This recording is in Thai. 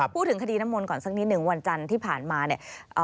พูดถึงคดีน้ำมนต์ก่อนสักนิดหนึ่งวันจันทร์ที่ผ่านมาเนี่ย